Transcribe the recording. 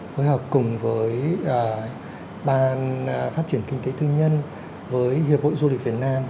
phối hợp cùng với ban phát triển kinh tế tư nhân với hiệp hội du lịch việt nam